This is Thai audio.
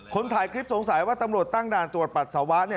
คนถ่ายคลิปสงสัยว่าตำรวจตั้งด่านตรวจปัสสาวะ